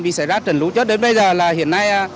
bị xảy ra trần lũ chất đến bây giờ là hiện nay